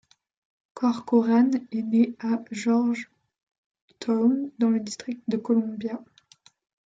Corcoran est né à Georgetown dans le district de Colombia.